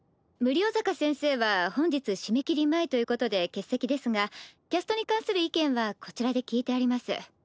無量坂先生は本日締め切り前ということで欠席ですがキャストに関する意見はこちらで聞いてあります。